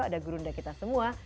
ada gurunda kita semua